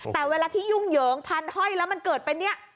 แต่เวลาที่ยุ่งเหยิงพันห้อยแล้วมันเกิดเป็นเนี่ย